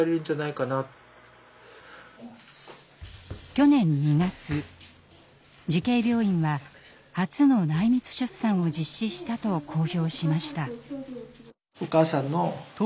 去年２月慈恵病院は初の内密出産を実施したと公表しました。